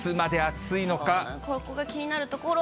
ここが気になるところ。